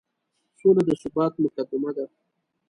سوله د ثبات مقدمه ده.